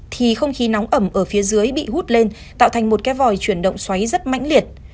thì không khí nóng ẩm ở phía dưới bị hút lên tạo thành một cái vòi chuyển động xoáy rất mãnh liệt